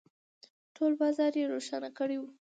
، ټول بازار يې روښانه کړی و.